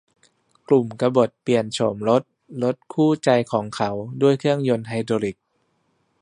กลุ่มกบฏเปลี่ยนโฉมรถรถคู่ใจของเขาด้วยเครื่องยนต์ไฮดรอลิค